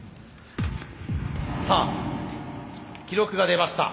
さあ記録が出ました。